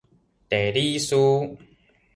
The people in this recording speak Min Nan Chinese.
地理師